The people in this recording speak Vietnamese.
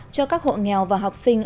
cho các hộ nghèo và học sinh